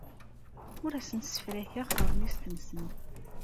Ur asent-ssefrakeɣ taṛmist-nsent.